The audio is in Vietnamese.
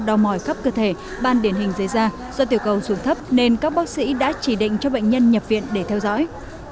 đau mỏi khắp cơ thể ban điển hình dây da do tiểu cầu xuống thấp nên các bác sĩ đã chỉ định cho bệnh nhân nhập viện để theo dõi